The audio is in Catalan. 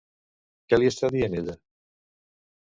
Què li està dient ella?